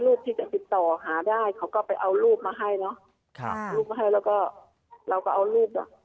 ลูกที่จะติดต่อหาได้เขาก็ไปเอาลูกมาให้เนอะลูกมาให้เราก็เอาลูก